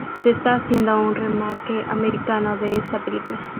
Se está haciendo un remake americano de esta película.